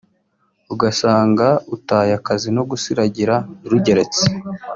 ugasanga utaye akazi no gusiragira rugeretse”